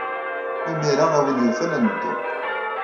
Imir-a, a win yufan ad neddu.